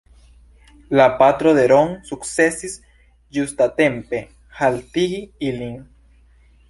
La patro de Ron sukcesis ĝustatempe haltigi ilin.